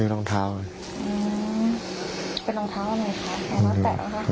เป็นรองเท้าอะไรครับรองเท้าแตะแล้วครับ